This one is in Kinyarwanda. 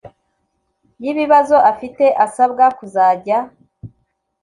y ibibazo afite asabwa kuzajya